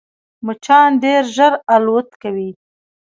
مچان ډېر ژر الوت کوي